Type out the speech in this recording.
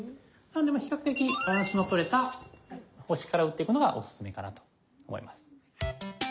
なので比較的バランスの取れた星から打っていくのがオススメかなと思います。